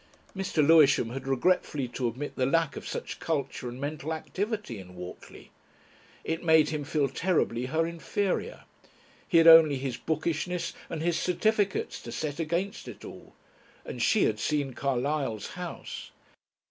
Mr. Lewisham had regretfully to admit the lack of such culture and mental activity in Whortley. It made him feel terribly her inferior. He had only his bookishness and his certificates to set against it all and she had seen Carlyle's house!